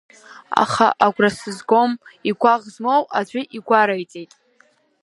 Аха агәра сызгом, игәаӷ змоу аӡәы игәареиҵеит.